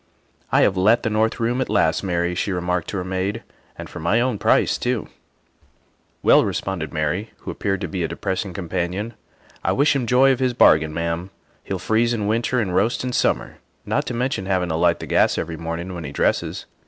" I have let the north room at last, Mary," she re marked to her maid, '' and for my own price too. ''" Well," responded Mary, who appeared to be a depressing companion, " I wish him joy of his bargain, Ma'am. He'll freeze in winter and roast in summer, not to mention havin' to light the gas every mornin' when he dresses.